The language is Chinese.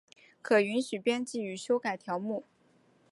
可允许编辑与修改条目。